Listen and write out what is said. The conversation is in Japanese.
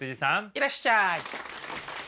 いらっしゃい。